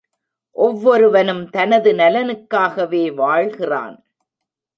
ஒவ்வொருவனும் தனது நலனுக்காகவே வாழ்கிறான்.